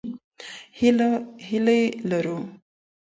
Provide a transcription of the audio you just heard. هیلې لرو.